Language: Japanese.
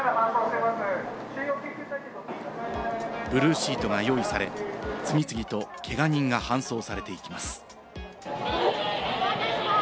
ブルーシートが用意され、次々とけが人が搬送されていきます。